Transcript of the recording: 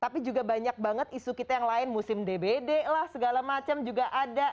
tapi juga banyak banget isu kita yang lain musim dbd lah segala macam juga ada